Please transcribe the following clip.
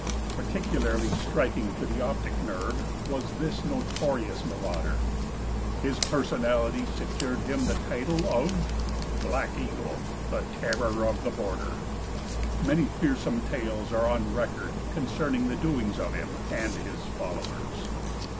Peculiarly striking to the optic nerve was this notorious marauder. His personality secured him the title of "Black Eagle, the Terror of the Border." Many fearsome tales are on record concerning the doings of him and his followers.